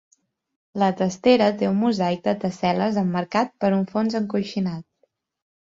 La testera té un mosaic de tessel·les emmarcat per un fons encoixinat.